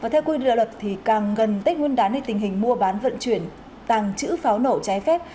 theo quy định luật càng gần tết nguyên đán thì tình hình mua bán vận chuyển tàng trữ pháo nổ trái phép